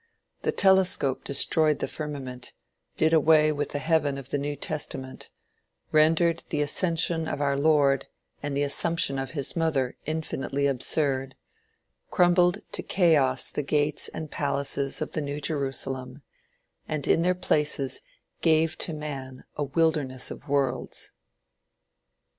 The telescope destroyed the firmament, did away with the heaven of the New Testament, rendered the ascension of our Lord and the assumption of his Mother infinitely absurd, crumbled to chaos the gates and palaces of the New Jerusalem, and in their places gave to man a wilderness of worlds.